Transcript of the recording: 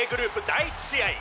第１試合。